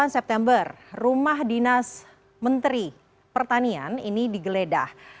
dua puluh delapan september rumah dinas menteri pertanian ini digeledah